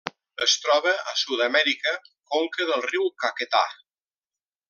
Es troba a Sud-amèrica: conca del riu Caquetá.